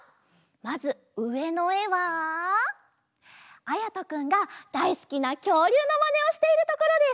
まずうえのえはあやとくんがだいすきなきょうりゅうのマネをしているところです。